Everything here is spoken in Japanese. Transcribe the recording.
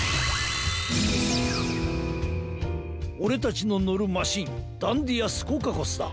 オレたちののるマシンダンディア・スコカコスだ。